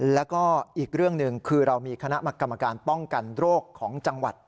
แล้วก็อีกเรื่องหนึ่งคือเรามีคณะกรรมการป้องกันโรคของจังหวัด